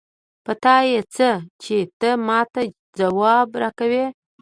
په تا يې څه؛ چې ته ما ته ځواب راکوې.